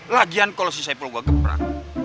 lagian kalau si saipul gue gembrak